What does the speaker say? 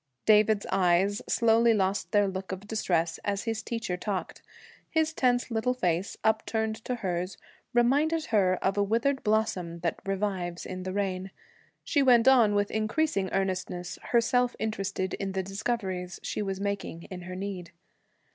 David's eyes slowly lost their look of distress as his teacher talked. His tense little face, upturned to hers, reminded her of a withered blossom that revives in the rain. She went on with increasing earnestness, herself interested in the discoveries she was making, in her need.